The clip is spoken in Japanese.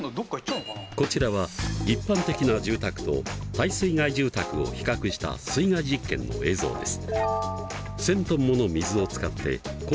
こちらは一般的な住宅と耐水害住宅を比較した水害実験の映像です。